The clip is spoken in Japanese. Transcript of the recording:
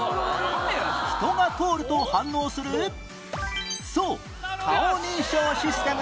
人が通ると反応するそう顔認証システムです